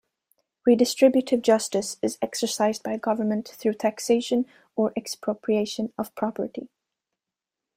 Redistributive justice is exercised by Government through taxation or expropriation of property.